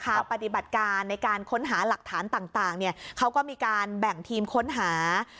ปฏิบัติการในการค้นหาหลักฐานต่างเนี่ยเขาก็มีการแบ่งทีมค้นหา